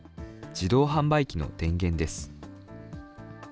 自動販売機の電源です。